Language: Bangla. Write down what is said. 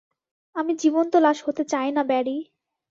আমি জীবন্ত লাশ হতে চাই না, ব্যারি।